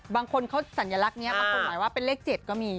บางคนเขาสัญลักษณ์นี้บางคนหมายว่าเป็นเลข๗ก็มี